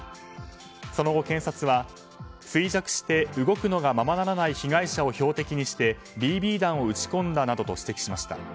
その後、検察は衰弱して動くのがままならない被害者を標的にしてＢＢ弾を撃ち込んだなどと指摘しました。